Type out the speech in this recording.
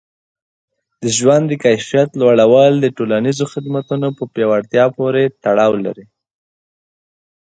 د ژوند د کیفیت لوړول د ټولنیزو خدمتونو په پیاوړتیا پورې تړاو لري.